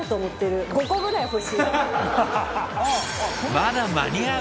まだ間に合う！